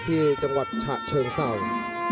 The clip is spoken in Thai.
ที่จังหวัดชะเชิงสัง